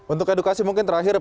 untuk edukasi mungkin terakhir